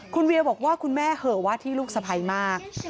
คุณเวียบอกว่าคุณแม่เหอะว่าที่ลูกสะพ้ายมาก